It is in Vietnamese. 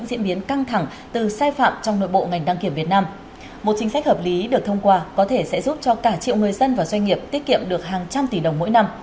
xin chào và hẹn gặp lại